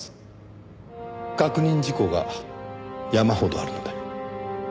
確認事項が山ほどあるので。